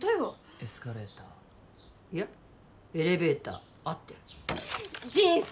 エスカレーターいやエレベーター合ってる人生